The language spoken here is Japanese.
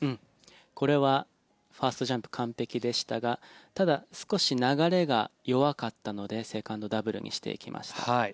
これはファーストジャンプ完璧でしたがただ、少し流れが弱かったのでセカンド、ダブルにしていきました。